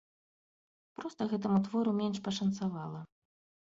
Проста, гэтаму твору менш пашанцавала.